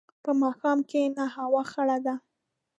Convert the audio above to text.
په ماښام کښېنه، هوا خړه ده.